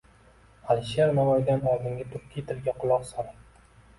Alisher Navoiydan oldingi turkiy tilga quloq soling: